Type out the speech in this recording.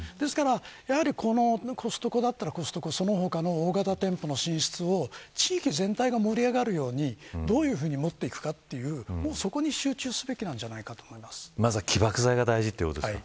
ですからコストコだったらその他の大型店舗の進出を地域全体が盛り上がるようにどういうふうに持っていくかという、そこに起爆剤が大事ということですね。